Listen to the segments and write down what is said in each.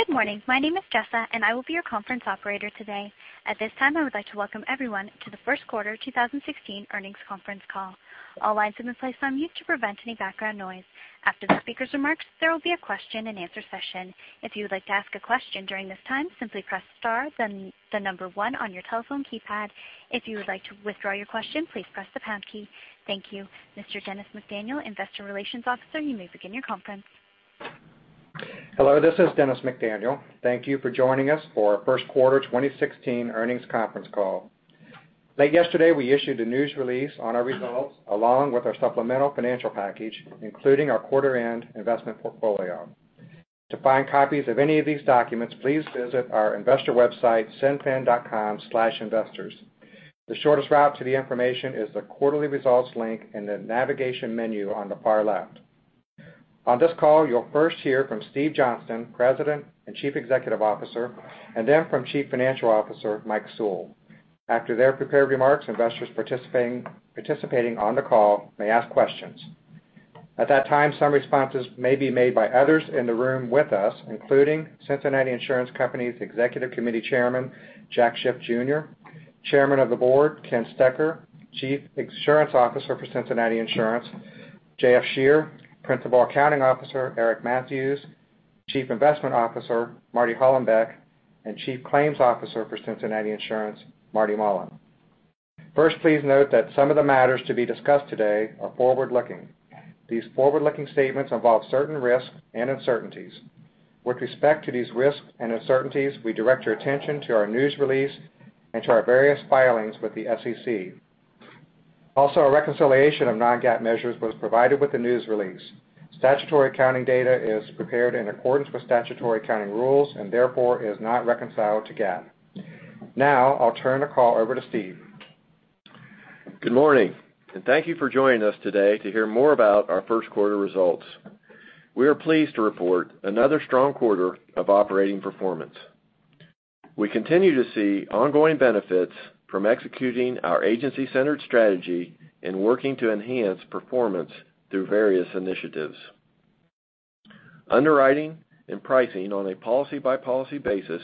Good morning. My name is Jessa, and I will be your conference operator today. At this time, I would like to welcome everyone to the first quarter 2016 earnings conference call. All lines have been placed on mute to prevent any background noise. After the speaker's remarks, there will be a question and answer session. If you would like to ask a question during this time, simply press star then the number 1 on your telephone keypad. If you would like to withdraw your question, please press the pound key. Thank you. Mr. Dennis McDaniel, Investor Relations Officer, you may begin your conference. Hello, this is Dennis McDaniel. Thank you for joining us for our first quarter 2016 earnings conference call. Late yesterday, we issued a news release on our results along with our supplemental financial package, including our quarter-end investment portfolio. To find copies of any of these documents, please visit our investor website, cinfin.com/investors. The shortest route to the information is the quarterly results link in the navigation menu on the far left. On this call, you'll first hear from Steve Johnston, President and Chief Executive Officer, and then from Chief Financial Officer Mike Sewell. After their prepared remarks, investors participating on the call may ask questions. At that time, some responses may be made by others in the room with us, including Cincinnati Insurance Company's Executive Committee Chairman, Jack Schiff Jr., Chairman of the Board, Ken Stecher, Chief Insurance Officer for Cincinnati Insurance, JF Scherer Jr., Principal Accounting Officer, Eric Mathews, Chief Investment Officer, Marty Hollenbeck, and Chief Claims Officer for Cincinnati Insurance, Marty Mullen. First, please note that some of the matters to be discussed today are forward-looking. These forward-looking statements involve certain risks and uncertainties. With respect to these risks and uncertainties, we direct your attention to our news release and to our various filings with the SEC. Also, a reconciliation of non-GAAP measures was provided with the news release. Statutory accounting data is prepared in accordance with statutory accounting rules and therefore is not reconciled to GAAP. Now, I'll turn the call over to Steve. Good morning, and thank you for joining us today to hear more about our first quarter results. We are pleased to report another strong quarter of operating performance. We continue to see ongoing benefits from executing our agency-centered strategy and working to enhance performance through various initiatives. Underwriting and pricing on a policy-by-policy basis,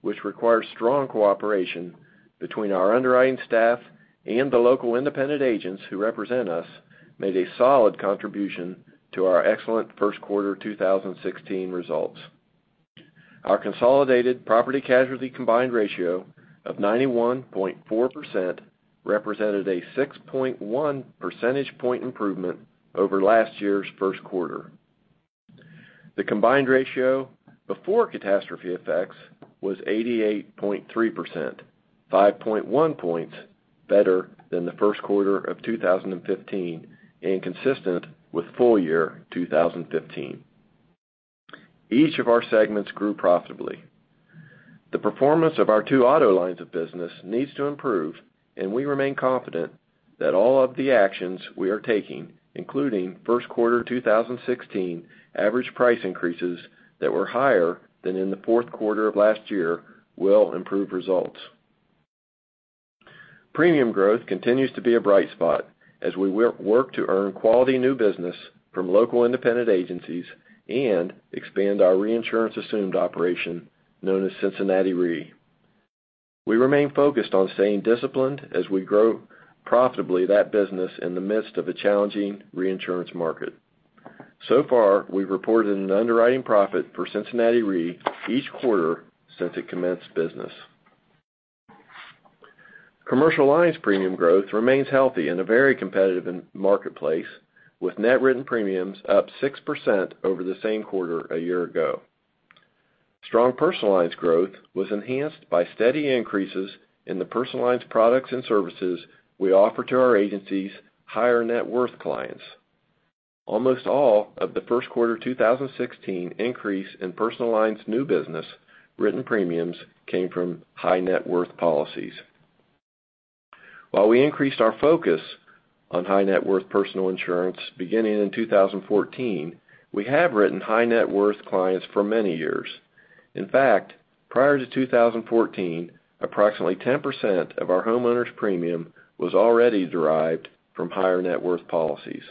which requires strong cooperation between our underwriting staff and the local independent agents who represent us, made a solid contribution to our excellent first quarter 2016 results. Our consolidated property-casualty combined ratio of 91.4% represented a 6.1 percentage point improvement over last year's first quarter. The combined ratio before catastrophe effects was 88.3%, 5.1 points better than the first quarter of 2015 and consistent with full year 2015. Each of our segments grew profitably. The performance of our two auto lines of business needs to improve. We remain confident that all of the actions we are taking, including first quarter 2016 average price increases that were higher than in the fourth quarter of last year, will improve results. Premium growth continues to be a bright spot as we work to earn quality new business from local independent agencies and expand our reinsurance assumed operation, known as Cincinnati Re. We remain focused on staying disciplined as we grow profitably that business in the midst of a challenging reinsurance market. We've reported an underwriting profit for Cincinnati Re each quarter since it commenced business. Commercial lines premium growth remains healthy in a very competitive marketplace, with net written premiums up 6% over the same quarter a year ago. Strong personal lines growth was enhanced by steady increases in the personal lines products and services we offer to our agencies' higher net worth clients. Almost all of the first quarter 2016 increase in personal lines new business written premiums came from high net worth policies. While we increased our focus on high net worth personal insurance beginning in 2014, we have written high net worth clients for many years. In fact, prior to 2014, approximately 10% of our homeowners premium was already derived from higher net worth policies.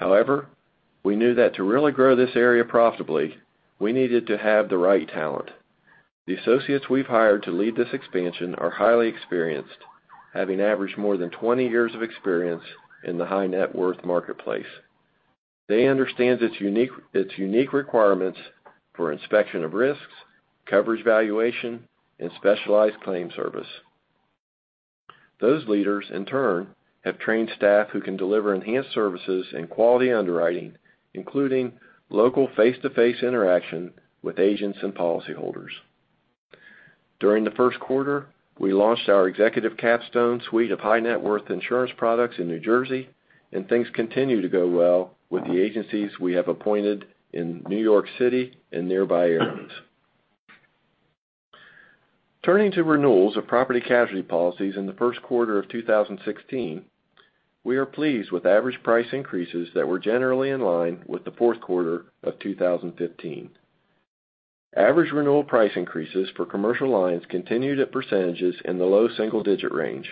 We knew that to really grow this area profitably, we needed to have the right talent. The associates we've hired to lead this expansion are highly experienced, having averaged more than 20 years of experience in the high net worth marketplace. They understand its unique requirements for inspection of risks, coverage valuation, and specialized claim service. Those leaders, in turn, have trained staff who can deliver enhanced services and quality underwriting, including local face-to-face interaction with agents and policyholders. During the first quarter, we launched our Executive Capstone suite of high net worth insurance products in New Jersey. Things continue to go well with the agencies we have appointed in New York City and nearby areas. Turning to renewals of property casualty policies in the first quarter of 2016, we are pleased with average price increases that were generally in line with the fourth quarter of 2015. Average renewal price increases for commercial lines continued at percentages in the low single-digit range.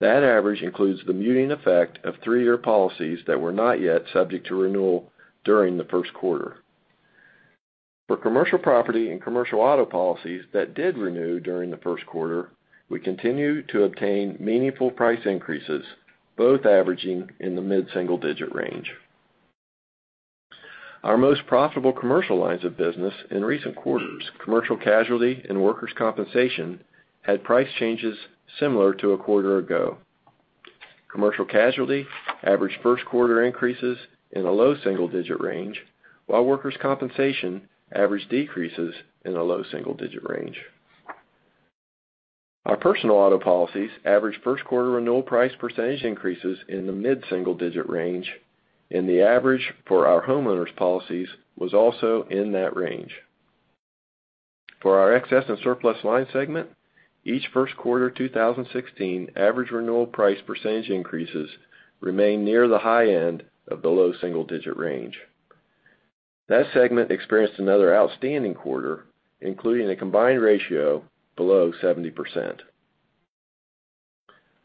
That average includes the muting effect of three-year policies that were not yet subject to renewal during the first quarter. For commercial property and commercial auto policies that did renew during the first quarter, we continue to obtain meaningful price increases, both averaging in the mid-single digit range. Our most profitable commercial lines of business in recent quarters, commercial casualty and workers' compensation, had price changes similar to a quarter ago. Commercial casualty averaged first quarter increases in the low single-digit range, while workers' compensation averaged decreases in the low single-digit range. Our personal auto policies averaged first quarter annual price percentage increases in the mid-single digit range, and the average for our homeowners policies was also in that range. For our excess and surplus line segment, each first quarter 2016 average renewal price percentage increases remain near the high end of the low single-digit range. That segment experienced another outstanding quarter, including a combined ratio below 70%.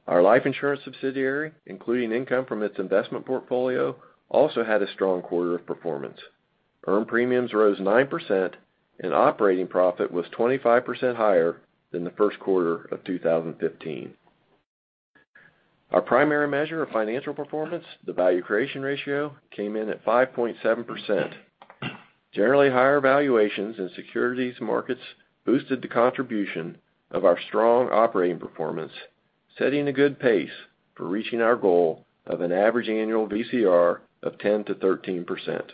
Our life insurance subsidiary, including income from its investment portfolio, also had a strong quarter of performance. Earned premiums rose 9%, and operating profit was 25% higher than the first quarter of 2015. Our primary measure of financial performance, the value creation ratio, came in at 5.7%. Generally higher valuations in securities markets boosted the contribution of our strong operating performance, setting a good pace for reaching our goal of an average annual VCR of 10%-13%.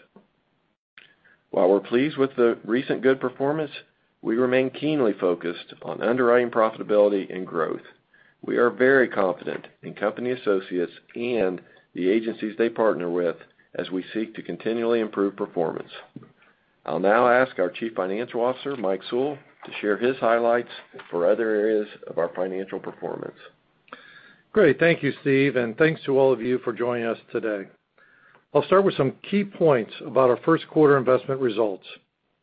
While we're pleased with the recent good performance, we remain keenly focused on underwriting profitability and growth. We are very confident in company associates and the agencies they partner with as we seek to continually improve performance. I'll now ask our Chief Financial Officer, Mike Sewell, to share his highlights for other areas of our financial performance. Great. Thank you, Steve, and thanks to all of you for joining us today. I'll start with some key points about our first quarter investment results.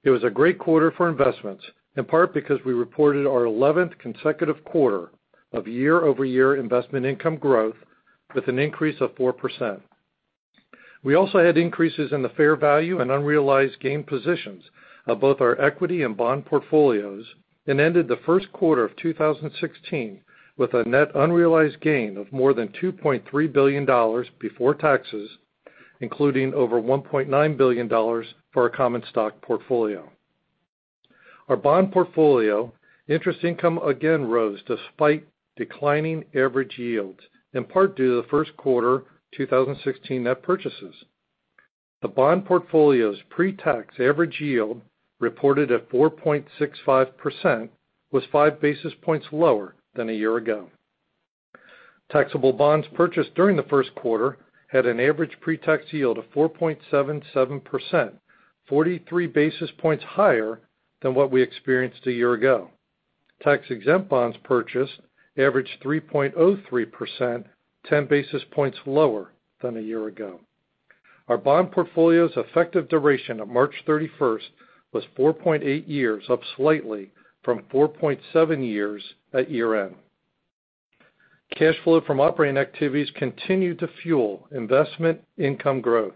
It was a great quarter for investments, in part because we reported our 11th consecutive quarter of year-over-year investment income growth with an increase of 4%. We also had increases in the fair value and unrealized gain positions of both our equity and bond portfolios, and ended the first quarter of 2016 with a net unrealized gain of more than $2.3 billion before taxes, including over $1.9 billion for our common stock portfolio. Our bond portfolio interest income again rose despite declining average yields, in part due to the first quarter 2016 net purchases. The bond portfolio's pretax average yield, reported at 4.65%, was five basis points lower than a year ago. Taxable bonds purchased during the first quarter had an average pretax yield of 4.77%, 43 basis points higher than what we experienced a year ago. Tax-exempt bonds purchased averaged 3.03%, 10 basis points lower than a year ago. Our bond portfolio's effective duration of March 31st was 4.8 years, up slightly from 4.7 years at year-end. Cash flow from operating activities continued to fuel investment income growth.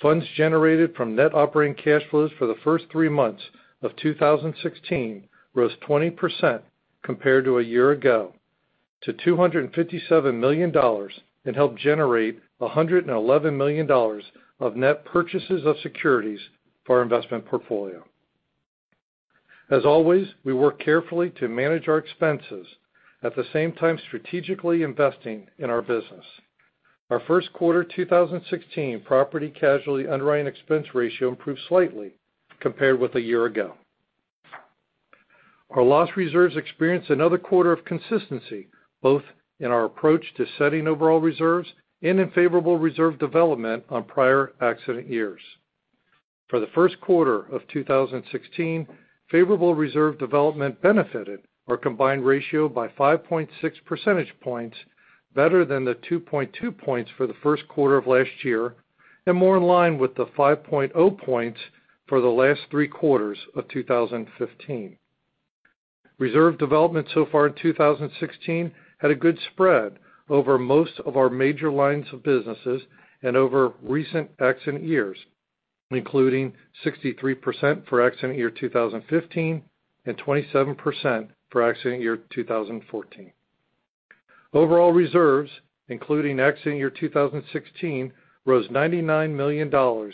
Funds generated from net operating cash flows for the first three months of 2016 rose 20% compared to a year ago to $257 million, and helped generate $111 million of net purchases of securities for our investment portfolio. As always, we work carefully to manage our expenses, at the same time strategically investing in our business. Our first quarter 2016 property casualty underwriting expense ratio improved slightly compared with a year ago. Our loss reserves experienced another quarter of consistency, both in our approach to setting overall reserves and in favorable reserve development on prior accident years. For the first quarter of 2016, favorable reserve development benefited our combined ratio by 5.6 percentage points, better than the 2.2 points for the first quarter of last year, and more in line with the 5.0 points for the last three quarters of 2015. Reserve development so far in 2016 had a good spread over most of our major lines of businesses and over recent accident years, including 63% for accident year 2015, and 27% for accident year 2014. Overall reserves, including accident year 2016, rose $99 million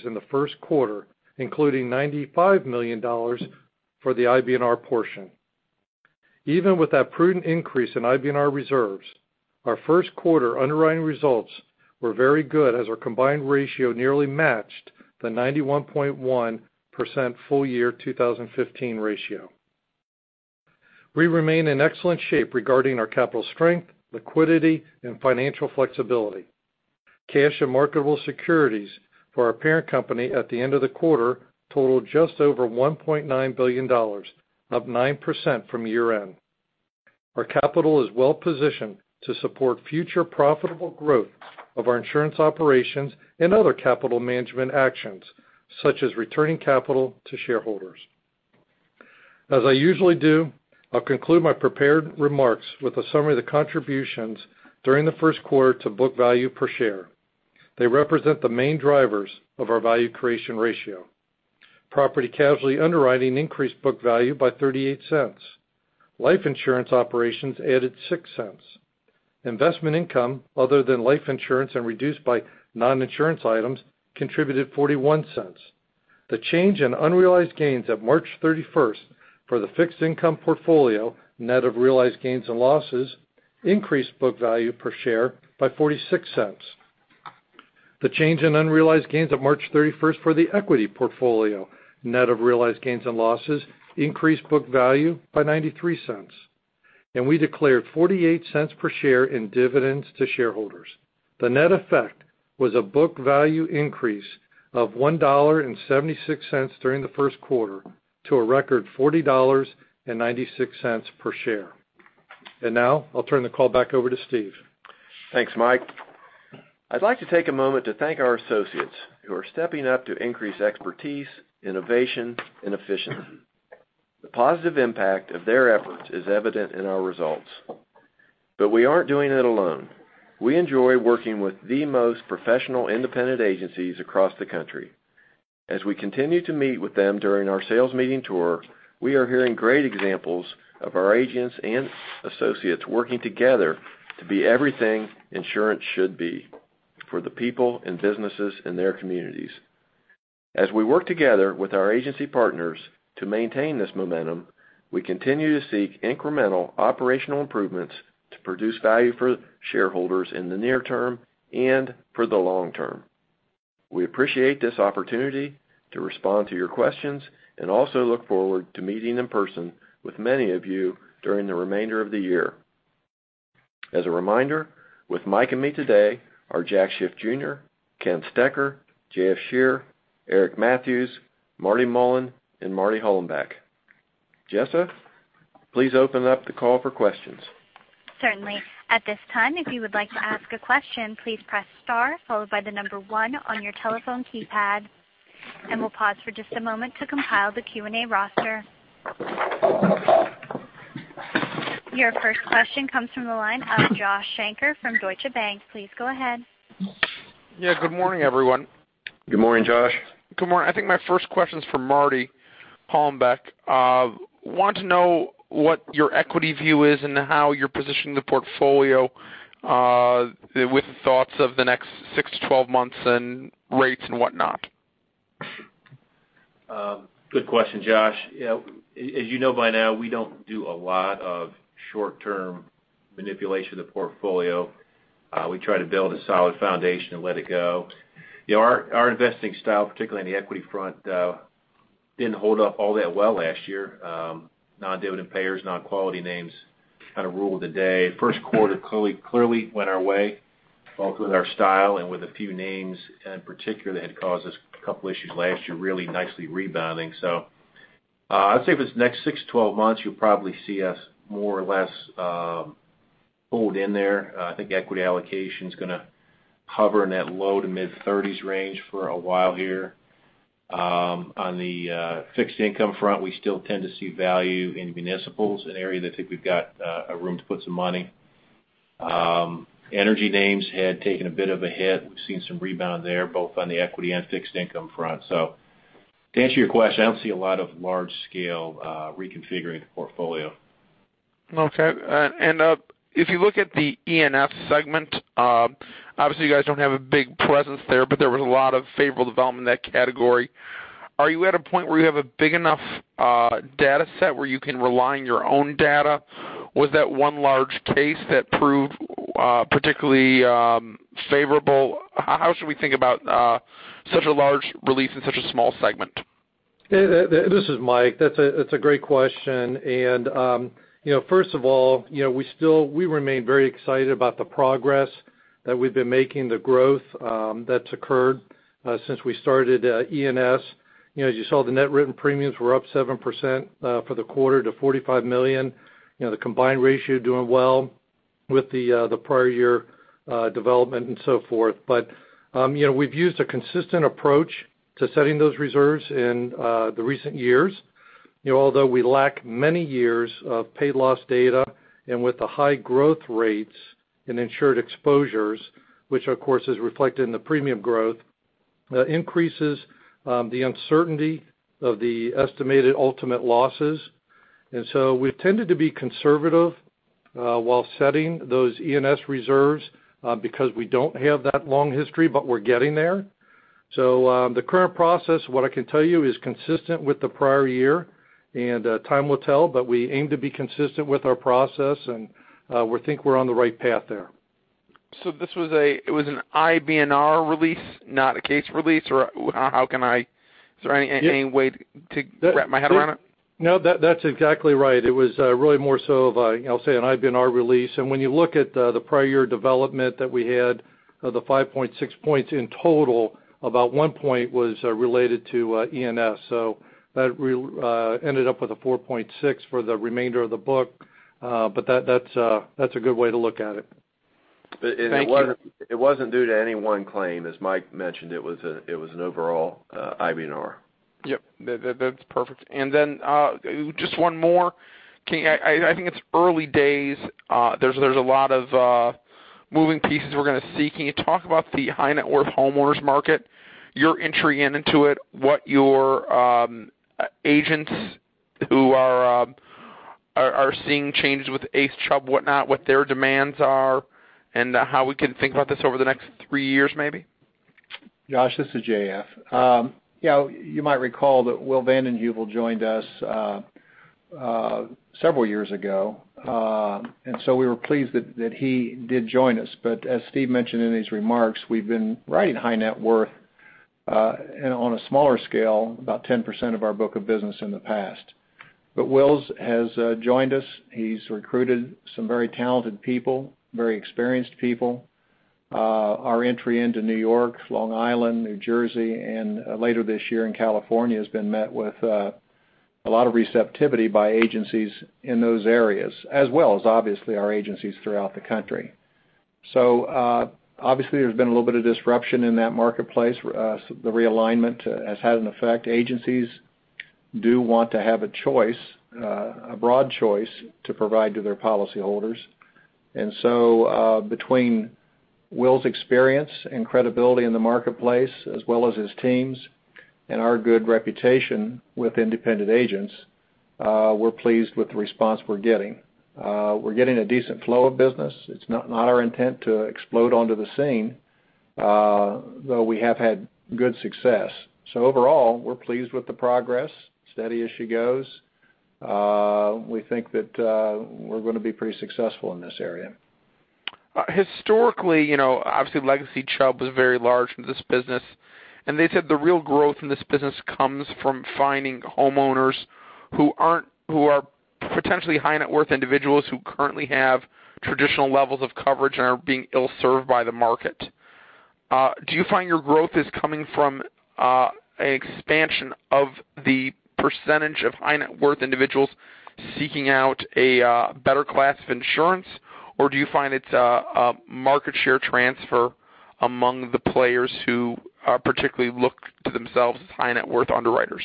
in the first quarter, including $95 million for the IBNR portion. Even with that prudent increase in IBNR reserves, our first quarter underwriting results were very good as our combined ratio nearly matched the 91.1% full year 2015 ratio. We remain in excellent shape regarding our capital strength, liquidity, and financial flexibility. Cash and marketable securities for our parent company at the end of the quarter totaled just over $1.9 billion, up 9% from year-end. Our capital is well positioned to support future profitable growth of our insurance operations and other capital management actions, such as returning capital to shareholders. As I usually do, I'll conclude my prepared remarks with a summary of the contributions during the first quarter to book value per share. They represent the main drivers of our value creation ratio. Property casualty underwriting increased book value by $0.38. Life insurance operations added $0.06. Investment income other than life insurance and reduced by non-insurance items contributed $0.41. The change in unrealized gains at March 31st for the fixed income portfolio, net of realized gains and losses, increased book value per share by $0.46. The change in unrealized gains of March 31st for the equity portfolio, net of realized gains and losses, increased book value by $0.93. We declared $0.48 per share in dividends to shareholders. The net effect was a book value increase of $1.76 during the first quarter to a record $40.96 per share. Now I'll turn the call back over to Steve. Thanks, Mike. I'd like to take a moment to thank our associates who are stepping up to increase expertise, innovation, and efficiency. The positive impact of their efforts is evident in our results. We aren't doing it alone. We enjoy working with the most professional independent agencies across the country. As we continue to meet with them during our sales meeting tour, we are hearing great examples of our agents and associates working together to be everything insurance should be for the people and businesses in their communities. As we work together with our agency partners to maintain this momentum, we continue to seek incremental operational improvements to produce value for shareholders in the near term and for the long term. We appreciate this opportunity to respond to your questions and also look forward to meeting in person with many of you during the remainder of the year. As a reminder, with Mike and me today are Jack Schiff Jr., Ken Stecher, J.F. Scherer, Eric Mathews, Marty Mullen, and Marty Hollenbeck. Jessa, please open up the call for questions. Certainly. At this time, if you would like to ask a question, please press star followed by the number 1 on your telephone keypad, and we'll pause for just a moment to compile the Q&A roster. Your first question comes from the line of Joshua Shanker from Deutsche Bank. Please go ahead. Yeah, good morning, everyone. Good morning, Josh. Good morning. I think my first question is for Martin Hollenbeck. Want to know what your equity view is and how you're positioning the portfolio with thoughts of the next six to 12 months and rates and whatnot. Good question, Josh. As you know by now, we don't do a lot of short-term manipulation of the portfolio. We try to build a solid foundation and let it go. Our investing style, particularly in the equity front, didn't hold up all that well last year. Non-dividend payers, non-quality names kind of ruled the day. First quarter clearly went our way, both with our style and with a few names in particular that had caused us a couple issues last year, really nicely rebounding. I'd say for this next 6-12 months, you'll probably see us more or less hold in there. I think equity allocation's going to hover in that low to mid-30s range for a while here. On the fixed income front, we still tend to see value in municipals, an area that I think we've got room to put some money. Energy names had taken a bit of a hit. We've seen some rebound there, both on the equity and fixed income front. To answer your question, I don't see a lot of large-scale reconfiguring the portfolio. Okay. If you look at the E&S segment, obviously you guys don't have a big presence there, but there was a lot of favorable development in that category. Are you at a point where you have a big enough data set where you can rely on your own data? Was that one large case that proved particularly favorable? How should we think about such a large release in such a small segment? This is Mike. That's a great question. First of all, we remain very excited about the progress that we've been making, the growth that's occurred since we started E&S. As you saw, the net written premiums were up 7% for the quarter to $45 million. The combined ratio doing well with the prior year development and so forth. We've used a consistent approach to setting those reserves in the recent years. Although we lack many years of paid loss data and with the high growth rates in insured exposures, which of course is reflected in the premium growth, increases the uncertainty of the estimated ultimate losses. We've tended to be conservative while setting those E&S reserves because we don't have that long history, but we're getting there. The current process, what I can tell you, is consistent with the prior year, and time will tell, but we aim to be consistent with our process, and we think we're on the right path there. It was an IBNR release, not a case release? Or is there any way to wrap my head around it? That's exactly right. It was really more so of a, I'll say, an IBNR release. When you look at the prior year development that we had, the 5.6 points in total, about one point was related to E&S. That ended up with a 4.6 for the remainder of the book. That's a good way to look at it. It wasn't due to any one claim, as Mike mentioned. It was an overall IBNR. Yep. That's perfect. Just one more. I think it's early days. There's a lot of moving pieces we're going to see. Can you talk about the high net worth homeowners market, your entry into it, what your agents who are seeing changes with ACE Limited, whatnot, what their demands are, and how we can think about this over the next three years, maybe? Josh, this is JF. You might recall that Will Van Den Heuvel joined us several years ago. We were pleased that he did join us. As Steve mentioned in his remarks, we've been writing high net worth on a smaller scale, about 10% of our book of business in the past. Will has joined us. He's recruited some very talented people, very experienced people. Our entry into New York, Long Island, New Jersey, and later this year in California, has been met with a lot of receptivity by agencies in those areas, as well as obviously our agencies throughout the country. Obviously, there's been a little bit of disruption in that marketplace. The realignment has had an effect. Agencies do want to have a broad choice to provide to their policyholders. Between Will's experience and credibility in the marketplace, as well as his teams and our good reputation with independent agents, we're pleased with the response we're getting. We're getting a decent flow of business. It's not our intent to explode onto the scene, though we have had good success. Overall, we're pleased with the progress. Steady as she goes. We think that we're going to be pretty successful in this area. Historically, obviously Legacy Chubb was very large in this business. They said the real growth in this business comes from finding homeowners who are potentially high net worth individuals who currently have traditional levels of coverage and are being ill-served by the market. Do you find your growth is coming from an expansion of the percentage of high net worth individuals seeking out a better class of insurance, or do you find it's a market share transfer among the players who particularly look to themselves as high net worth underwriters?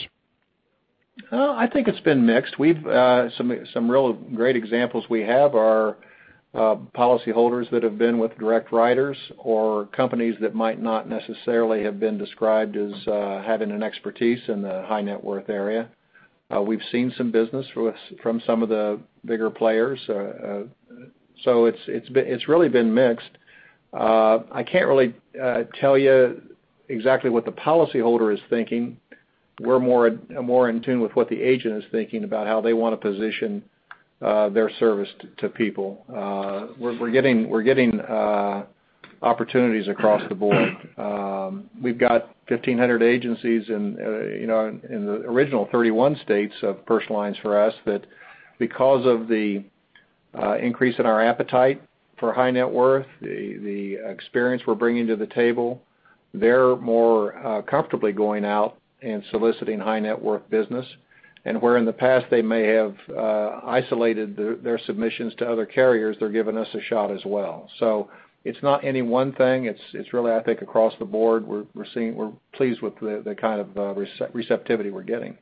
I think it's been mixed. Some real great examples we have are policyholders that have been with direct writers or companies that might not necessarily have been described as having an expertise in the high net worth area. We've seen some business from some of the bigger players. It's really been mixed. I can't really tell you exactly what the policyholder is thinking. We're more in tune with what the agent is thinking about how they want to position their service to people. We're getting opportunities across the board. We've got 1,500 agencies in the original 31 states of personal lines for us that because of the increase in our appetite for high net worth, the experience we're bringing to the table, they're more comfortably going out and soliciting high net worth business. Where in the past they may have isolated their submissions to other carriers, they're giving us a shot as well. It's not any one thing. It's really, I think, across the board. We're pleased with the kind of receptivity we're getting.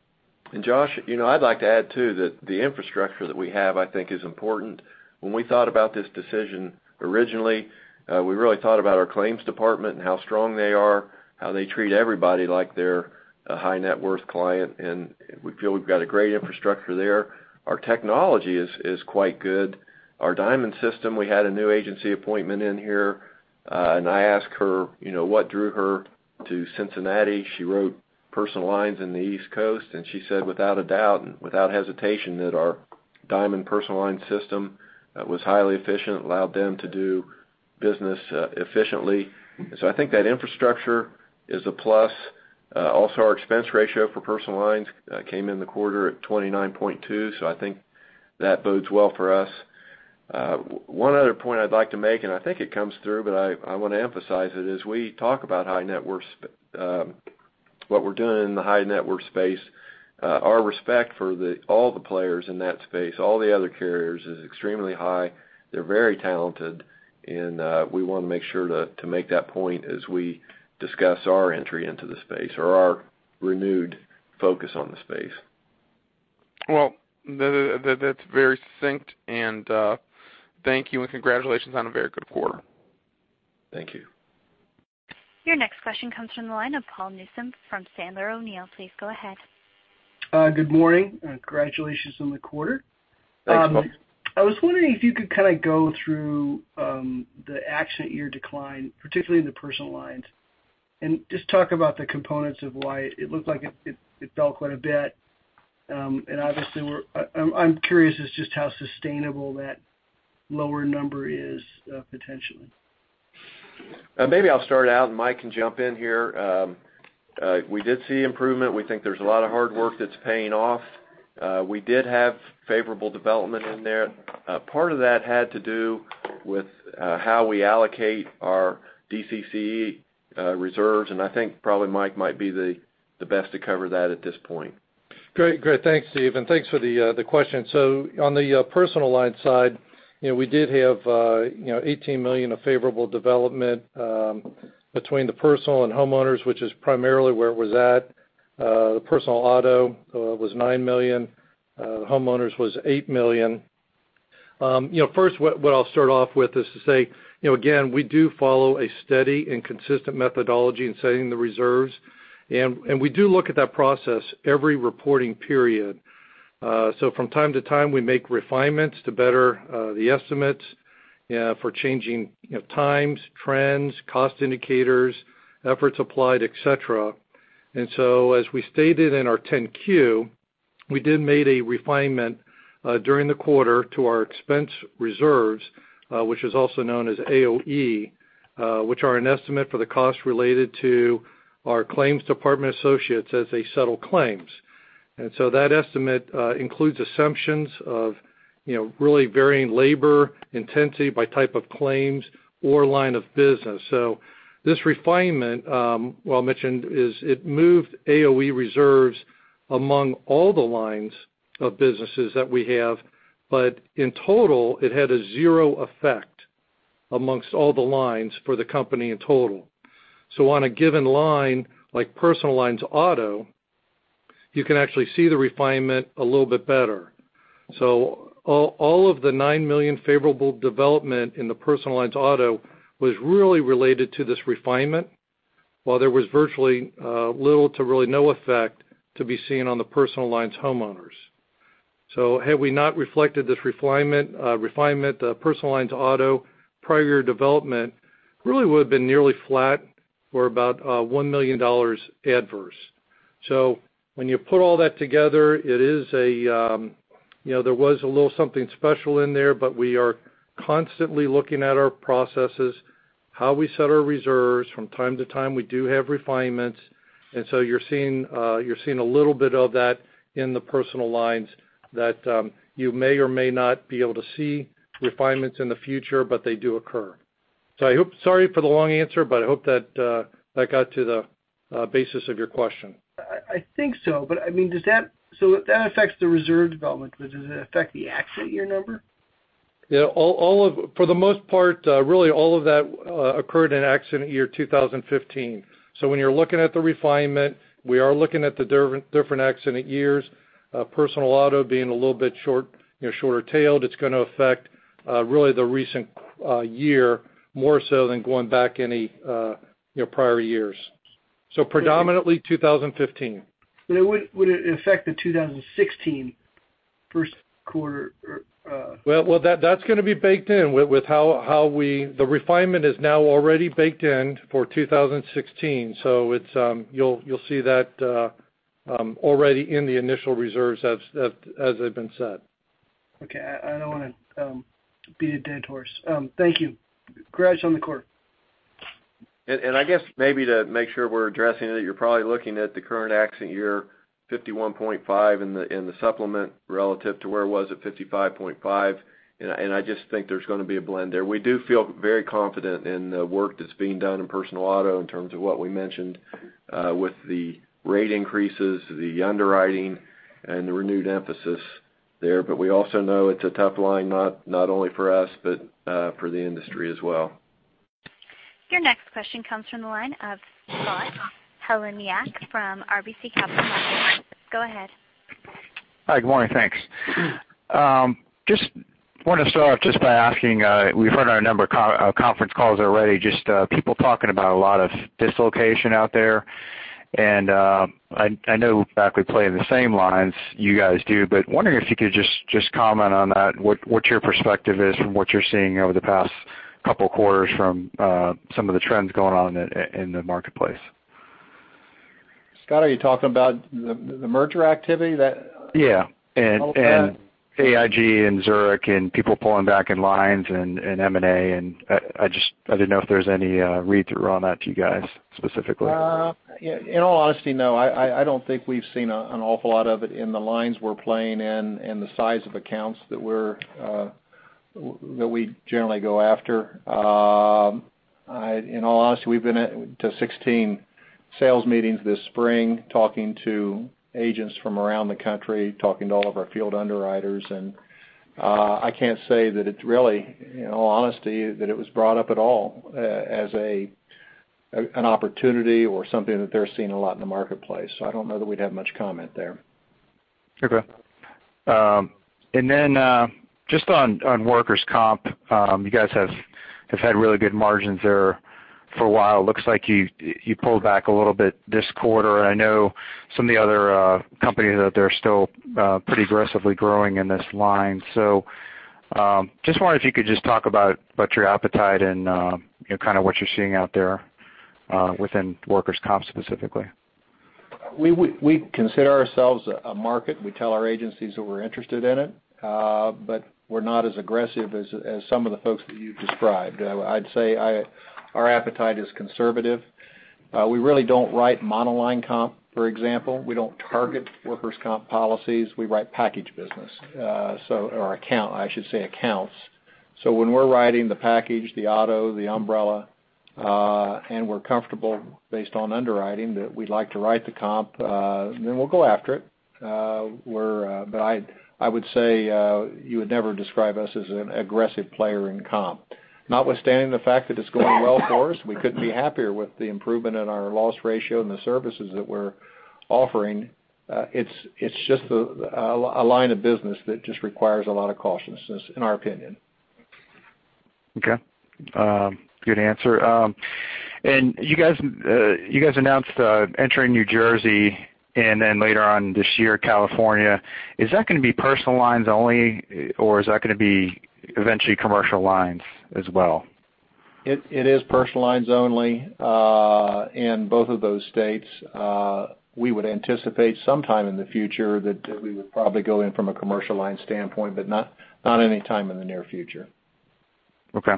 Josh, I'd like to add, too, that the infrastructure that we have, I think, is important. When we thought about this decision originally, we really thought about our claims department and how strong they are, how they treat everybody like they're a high net worth client, and we feel we've got a great infrastructure there. Our technology is quite good. Our Diamond system, we had a new agency appointment in here, and I asked her what drew her to Cincinnati. She wrote personal lines in the East Coast, and she said without a doubt and without hesitation that our Diamond personal line system was highly efficient, allowed them to do business efficiently. I think that infrastructure is a plus. Also, our expense ratio for personal lines came in the quarter at 29.2%, I think that bodes well for us. One other point I'd like to make, and I think it comes through, but I want to emphasize it, is we talk about what we're doing in the high net worth space. Our respect for all the players in that space, all the other carriers, is extremely high. They're very talented, and we want to make sure to make that point as we discuss our entry into the space or our renewed focus on the space. Well, that's very succinct, and thank you, and congratulations on a very good quarter. Thank you. Your next question comes from the line of Paul Newsome from Sandler O'Neill. Please go ahead. Good morning. Congratulations on the quarter. Thanks, Paul. I was wondering if you could kind of go through the accident year decline, particularly in the personal lines, and just talk about the components of why it looked like it fell quite a bit. Obviously, I'm curious as just how sustainable that lower number is potentially. Maybe I'll start out, and Mike can jump in here. We did see improvement. We think there's a lot of hard work that's paying off. We did have favorable development in there. Part of that had to do with how we allocate our DCC reserves, and I think probably Mike might be the best to cover that at this point. Great. Thanks, Steve, and thanks for the question. On the personal line side, we did have $18 million of favorable development between the personal and homeowners, which is primarily where it was at. The personal auto was $9 million. Homeowners was $8 million. First, what I'll start off with is to say, again, we do follow a steady and consistent methodology in setting the reserves, and we do look at that process every reporting period. From time to time, we make refinements to better the estimates for changing times, trends, cost indicators, efforts applied, et cetera. As we stated in our 10-Q, we did made a refinement during the quarter to our expense reserves, which is also known as AOE, which are an estimate for the cost related to our claims department associates as they settle claims. That estimate includes assumptions of really varying labor intensity by type of claims or line of business. This refinement, while mentioned, is it moved AOE reserves among all the lines of businesses that we have. In total, it had a zero effect amongst all the lines for the company in total. On a given line, like personal lines auto, you can actually see the refinement a little bit better. All of the $9 million favorable development in the personal lines auto was really related to this refinement, while there was virtually little to really no effect to be seen on the personal lines homeowners. Had we not reflected this refinement, the personal lines auto prior year development really would've been nearly flat or about $1 million adverse. When you put all that together, there was a little something special in there. We are constantly looking at our processes, how we set our reserves. From time to time, we do have refinements, you're seeing a little bit of that in the personal lines that you may or may not be able to see refinements in the future, they do occur. Sorry for the long answer, I hope that got to the basis of your question. I think so. That affects the reserve development, does it affect the accident year number? Yeah. For the most part, really all of that occurred in accident year 2015. When you're looking at the refinement, we are looking at the different accident years, personal auto being a little bit shorter tailed. It's going to affect really the recent year more so than going back any prior years. Predominantly 2015. Would it affect the 2016 first quarter? Well, that's going to be baked in with the refinement is now already baked in for 2016, so you'll see that already in the initial reserves as they've been set. Okay. I don't want to beat a dead horse. Thank you. Greg on the quarter. I guess maybe to make sure we're addressing it, you're probably looking at the current accident year 51.5 in the supplement relative to where it was at 55.5, I just think there's going to be a blend there. We do feel very confident in the work that's being done in personal auto in terms of what we mentioned with the rate increases, the underwriting, and the renewed emphasis there. We also know it's a tough line, not only for us, but for the industry as well. Your next question comes from the line of Scott Heleniak from RBC Capital Markets. Go ahead. Hi, good morning, thanks. Want to start off by asking, we've heard on a number of conference calls already, just people talking about a lot of dislocation out there. I know fact we play in the same lines you guys do, but wondering if you could just comment on that, what your perspective is from what you're seeing over the past couple of quarters from some of the trends going on in the marketplace. Scott, are you talking about the merger activity? Yeah. Okay. AIG and Zurich and people pulling back in lines and M&A, and I didn't know if there's any read through on that to you guys specifically. In all honesty, no. I don't think we've seen an awful lot of it in the lines we're playing in and the size of accounts that we generally go after. In all honesty, we've been to 16 sales meetings this spring talking to agents from around the country, talking to all of our field underwriters, and I can't say that it's really, in all honesty, that it was brought up at all as an opportunity or something that they're seeing a lot in the marketplace. I don't know that we'd have much comment there. Okay. Then, just on workers' comp, you guys have had really good margins there for a while. Looks like you pulled back a little bit this quarter, and I know some of the other companies out there are still pretty aggressively growing in this line. Just wonder if you could just talk about your appetite and kind of what you're seeing out there within workers' comp specifically. We consider ourselves a market. We tell our agencies that we're interested in it. We're not as aggressive as some of the folks that you described. I'd say our appetite is conservative. We really don't write monoline comp, for example. We don't target workers' comp policies. We write package business, or account, I should say, accounts. When we're writing the package, the auto, the umbrella We're comfortable based on underwriting that we'd like to write the comp, then we'll go after it. I would say, you would never describe us as an aggressive player in comp. Notwithstanding the fact that it's going well for us, we couldn't be happier with the improvement in our loss ratio and the services that we're offering. It's just a line of business that just requires a lot of cautiousness in our opinion. Okay. Good answer. You guys announced entering New Jersey and then later on this year, California. Is that going to be personal lines only, or is that going to be eventually commercial lines as well? It is personal lines only, in both of those states. We would anticipate sometime in the future that we would probably go in from a commercial line standpoint, but not any time in the near future. Okay.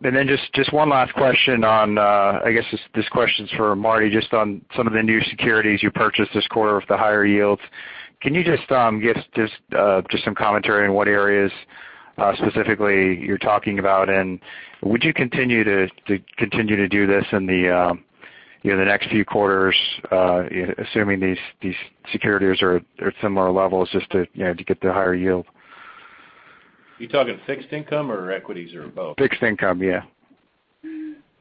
Then just one last question on, I guess this question's for Marty, just on some of the new securities you purchased this quarter with the higher yields. Can you just give some commentary on what areas specifically you're talking about, and would you continue to do this in the next few quarters, assuming these securities are at similar levels just to get the higher yield? You talking fixed income or equities or both? Fixed income, yeah.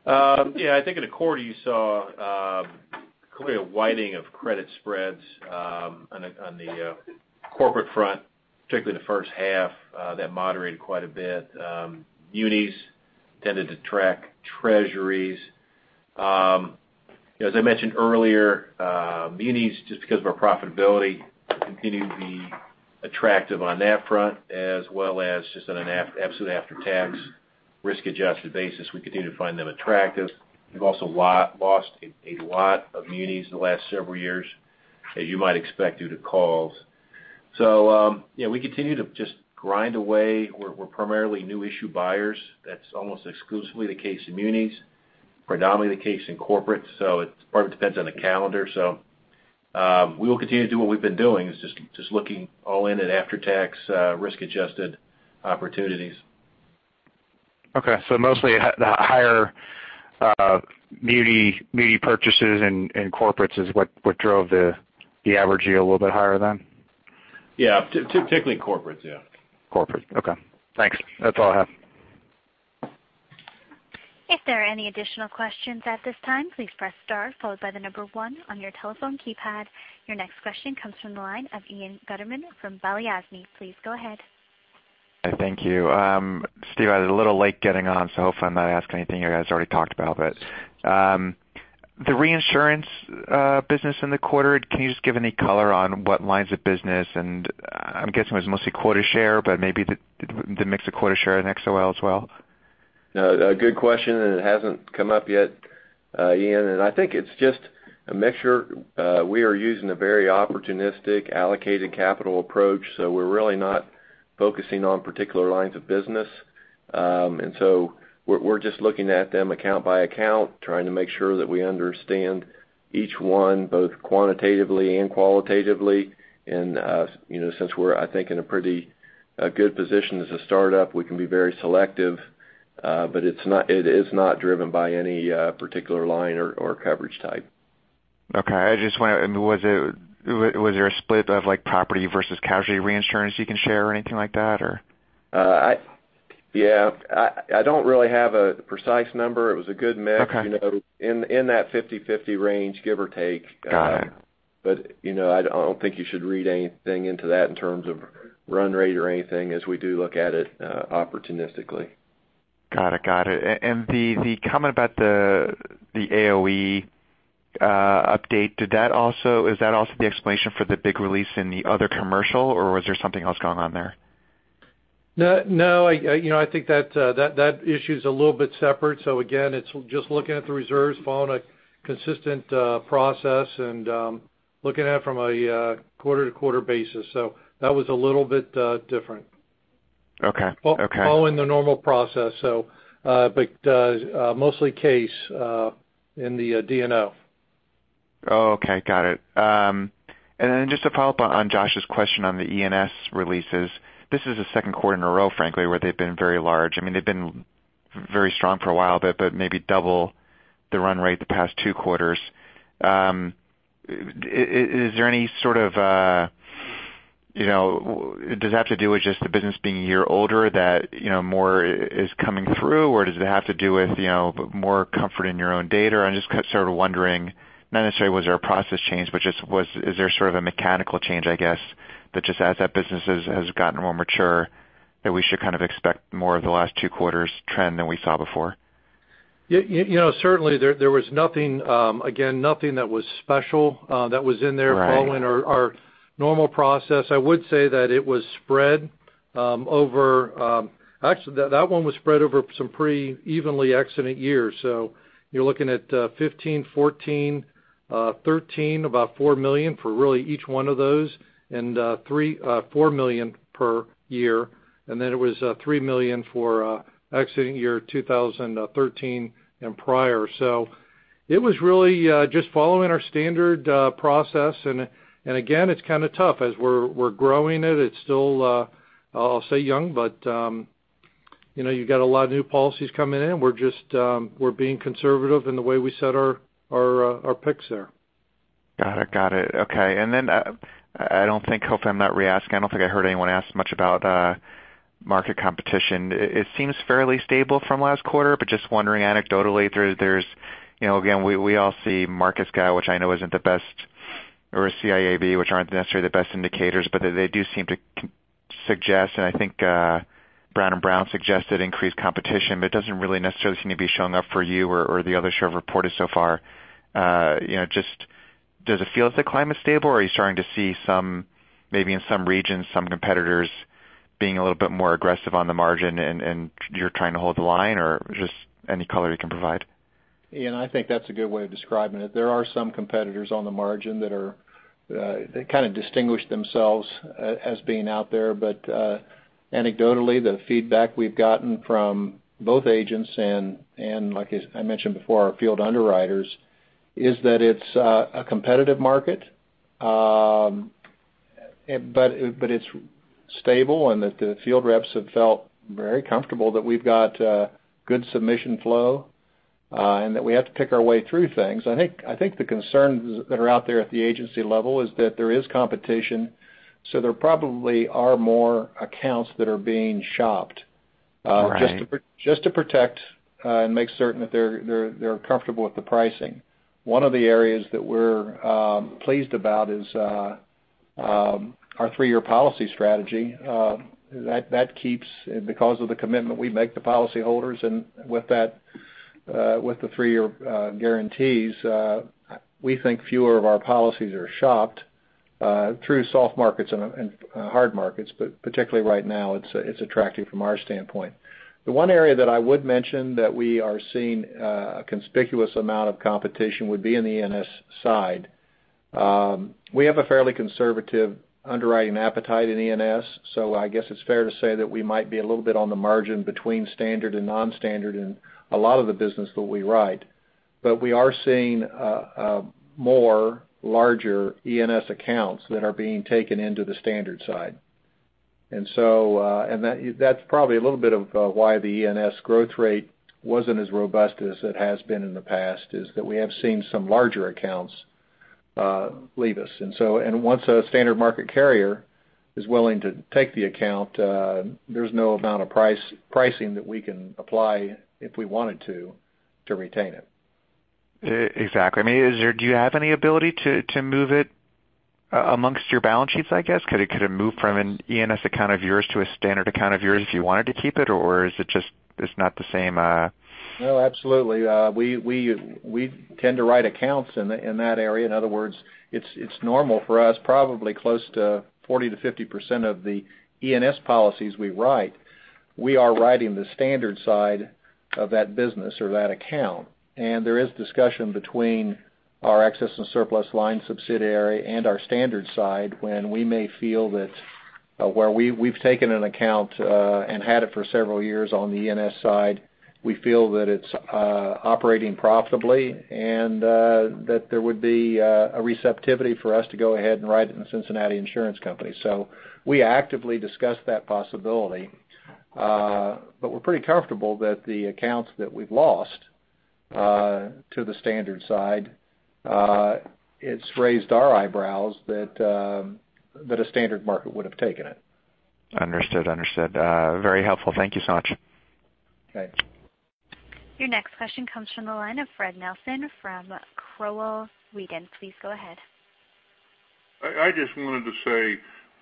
I think in the quarter you saw clearly a widening of credit spreads on the corporate front, particularly the first half, that moderated quite a bit. Munis tended to track treasuries. As I mentioned earlier, Munis, just because of our profitability, continue to be attractive on that front, as well as just on an absolute after-tax risk-adjusted basis, we continue to find them attractive. We've also lost a lot of Munis in the last several years, as you might expect due to calls. We continue to just grind away. We're primarily new issue buyers. That's almost exclusively the case in Munis, predominantly the case in corporate. It probably depends on the calendar. We will continue to do what we've been doing, is just looking all in at after-tax risk-adjusted opportunities. Mostly the higher Muni purchases and corporates is what drove the average yield a little bit higher then? Particularly corporates, yeah. Corporate. Okay, thanks. That's all I have. If there are any additional questions at this time, please press star followed by the number 1 on your telephone keypad. Your next question comes from the line of Ian Gutterman from Balyasny. Please go ahead. Thank you. Steve, I was a little late getting on, so hopefully I'm not asking anything you guys already talked about. The reinsurance business in the quarter, can you just give any color on what lines of business and I'm guessing it was mostly quota share, but maybe the mix of quota share and XOL as well. A good question, and it hasn't come up yet, Ian, and I think it's just a mixture. We are using a very opportunistic allocated capital approach, so we're really not focusing on particular lines of business. We're just looking at them account by account, trying to make sure that we understand each one, both quantitatively and qualitatively. Since we're, I think, in a pretty good position as a startup, we can be very selective, but it is not driven by any particular line or coverage type. Okay. Was there a split of property versus casualty reinsurance you can share or anything like that? Yeah. I don't really have a precise number. It was a good mix. Okay. In that 50/50 range, give or take. Got it. I don't think you should read anything into that in terms of run rate or anything, as we do look at it opportunistically. Got it. The comment about the AOE update, is that also the explanation for the big release in the other commercial, or was there something else going on there? I think that issue's a little bit separate. Again, it's just looking at the reserves, following a consistent process, and looking at it from a quarter-to-quarter basis. That was a little bit different. Okay. Following the normal process. Mostly case in the D&O. Oh, okay. Got it. Just to follow up on Josh's question on the E&S releases, this is the second quarter in a row, frankly, where they've been very large. They've been very strong for a while, but maybe double the run rate the past two quarters. Does it have to do with just the business being a year older that more is coming through, or does it have to do with more comfort in your own data? I'm just sort of wondering, not necessarily was there a process change, but is there sort of a mechanical change, I guess, that just as that business has gotten more mature, that we should kind of expect more of the last two quarters trend than we saw before? Certainly, there was nothing, again, nothing that was special that was in there following our normal process. I would say that it was spread over some pretty evenly accident years. You're looking at 2015, 2014, 2013, about $4 million for really each one of those, and $4 million per year. It was $3 million for accident year 2013 and prior. It was really just following our standard process. Again, it's kind of tough. As we're growing it's still, I'll say young, but you got a lot of new policies coming in. We're being conservative in the way we set our picks there. Got it. Okay. Hopefully I'm not re-asking. I don't think I heard anyone ask much about market competition. It seems fairly stable from last quarter, but just wondering anecdotally, again, we all see MarketScout, or CIAB, which aren't necessarily the best indicators, but they do seem to suggest, and I think Brown & Brown suggested increased competition, but it doesn't really necessarily seem to be showing up for you or the other share reported so far. Does it feel as the climate's stable, or are you starting to see maybe in some regions, some competitors being a little bit more aggressive on the margin and you're trying to hold the line, or just any color you can provide? Ian, I think that's a good way of describing it. There are some competitors on the margin that kind of distinguish themselves as being out there. Anecdotally, the feedback we've gotten from both agents and, like I mentioned before, our field underwriters, is that it's a competitive market. It's stable, and the field reps have felt very comfortable that we've got good submission flow, and that we have to pick our way through things. I think the concerns that are out there at the agency level is that there is competition, so there probably are more accounts that are being shopped. Right Just to protect, and make certain that they're comfortable with the pricing. One of the areas that we're pleased about is our three-year policy strategy. That keeps, because of the commitment we make the policyholders, and with the three-year guarantees, we think fewer of our policies are shopped, through soft markets and hard markets. Particularly right now, it's attractive from our standpoint. The one area that I would mention that we are seeing a conspicuous amount of competition would be in the E&S side. We have a fairly conservative underwriting appetite in E&S, so I guess it's fair to say that we might be a little bit on the margin between standard and non-standard in a lot of the business that we write. We are seeing more larger E&S accounts that are being taken into the standard side. That's probably a little bit of why the E&S growth rate wasn't as robust as it has been in the past, is that we have seen some larger accounts leave us. Once a standard market carrier is willing to take the account, there's no amount of pricing that we can apply if we wanted to retain it. Exactly. Do you have any ability to move it amongst your balance sheets, I guess? Could it move from an E&S account of yours to a standard account of yours if you wanted to keep it, or it's not the same? No, absolutely. We tend to write accounts in that area. In other words, it's normal for us, probably close to 40%-50% of the E&S policies we write, we are writing the standard side of that business or that account. There is discussion between our excess and surplus line subsidiary and our standard side when we may feel that where we've taken an account and had it for several years on the E&S side, we feel that it's operating profitably and that there would be a receptivity for us to go ahead and write it in The Cincinnati Insurance Company. We actively discuss that possibility. We're pretty comfortable that the accounts that we've lost to the standard side, it's raised our eyebrows that a standard market would've taken it. Understood. Very helpful. Thank you so much. Okay. Your next question comes from the line of Fred Nelson from Crowell, Weedon & Co. Please go ahead. I just wanted to say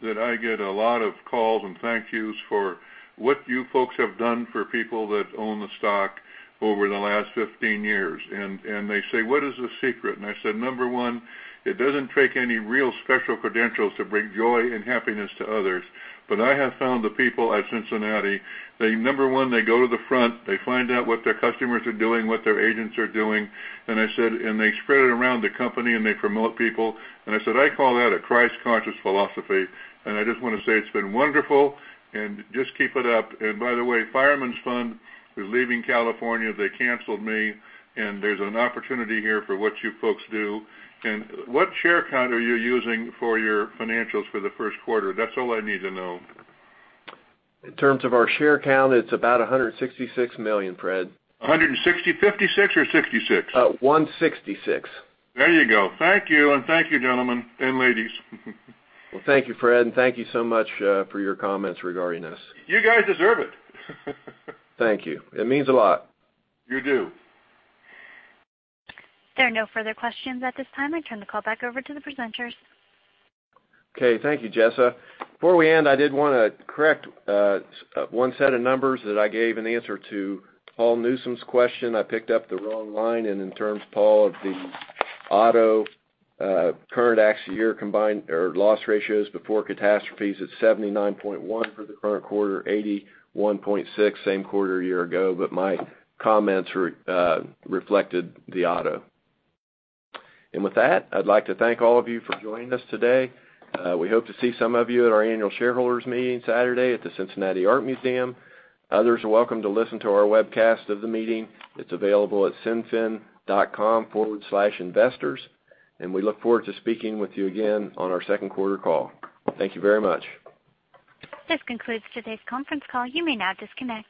that I get a lot of calls and thank yous for what you folks have done for people that own the stock over the last 15 years. They say, "What is the secret?" I said, "Number one, it doesn't take any real special credentials to bring joy and happiness to others." I have found the people at Cincinnati, they, number one, they go to the front, they find out what their customers are doing, what their agents are doing, I said, they spread it around the company, and they promote people. I said, I call that a Christ conscious philosophy. I just want to say it's been wonderful, and just keep it up. By the way, Fireman's Fund is leaving California. They canceled me, and there's an opportunity here for what you folks do. What share count are you using for your financials for the first quarter? That's all I need to know. In terms of our share count, it's about 166 million, Fred. 160, 56 or 66? 166. There you go. Thank you. Thank you, gentlemen and ladies. Well, thank you, Fred, and thank you so much for your comments regarding us. You guys deserve it. Thank you. It means a lot. You do. There are no further questions at this time. I turn the call back over to the presenters. Okay. Thank you, Jessa. Before we end, I did want to correct one set of numbers that I gave in answer to Paul Newsome's question. I picked up the wrong line, and in terms, Paul, of the auto current actual year combined or loss ratios before catastrophes, it's 79.1 for the current quarter, 81.6 same quarter a year ago. My comments reflected the auto. With that, I'd like to thank all of you for joining us today. We hope to see some of you at our annual shareholders meeting Saturday at the Cincinnati Art Museum. Others are welcome to listen to our webcast of the meeting. It's available at cinfin.com/investors, and we look forward to speaking with you again on our second quarter call. Thank you very much. This concludes today's conference call. You may now disconnect.